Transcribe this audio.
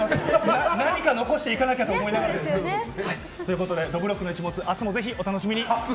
何か残していかなきゃと思いながら。ということで「どぶろっくの一物」明日もぜひお楽しみに。